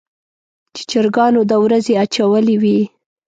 چې چرګانو د ورځې اچولې وي.